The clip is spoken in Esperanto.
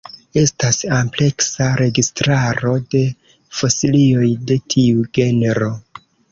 Estas ampleksa registraro de fosilioj de tiu genro.